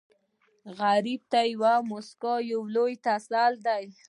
غریب ته یوه موسکا لوی تسل دی